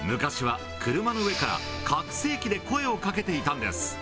昔は車の上から拡声器で声をかけていたんです。